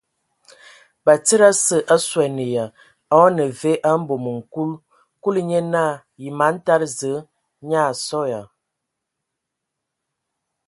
Batsidi ase a suan ya, a o nə vǝ o bomoŋ nkul. Kulu nye naa: Yǝ man tada Zǝə nyaa a sɔ ya ?.